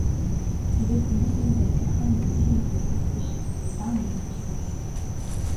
Тэгээд хүмүүсийн залбирах нь ердийн нэг дуугаралт биш удаан үргэлжлэв.